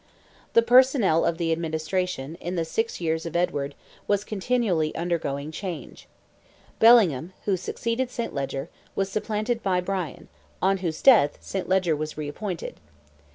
The personnel of the administration, in the six years of Edward, was continually undergoing change. Bellingham, who succeeded St. Leger, was supplanted by Bryan, on whose death, St. Leger was reappointed.